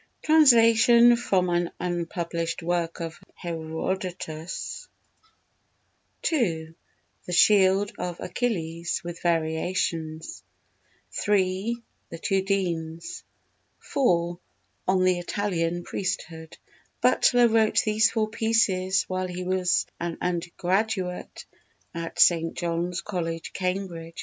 Translation from an Unpublished Work of Herodotus ii. The Shield of Achilles, with Variations iii. The Two Deans iv. On the Italian Priesthood Butler wrote these four pieces while he was an undergraduate at St. John's College, Cambridge.